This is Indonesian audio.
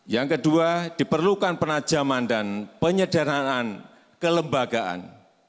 yang kedua diperlukan penajaman dan penyederhanaan kelembagaan